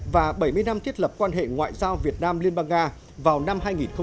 và bảy mươi năm thiết lập quan hệ ngoại giao việt nam liên bang nga vào năm hai nghìn hai mươi